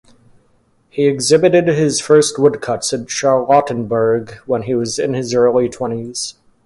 He exhibited his first woodcuts at Charlottenborg when he was in his early twenties.